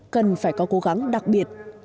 cần phải có cố gắng đặc biệt